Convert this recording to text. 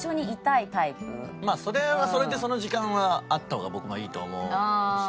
まあそれはそれでその時間はあった方が僕もいいと思うし。